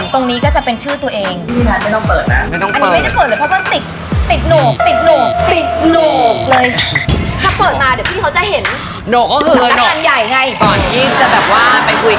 ตอนนี้จะแบบว่า